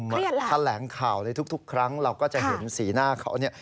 เครียดละคำแหลงข่าวเลยทุกครั้งเราก็จะเห็นสีหน้าเขา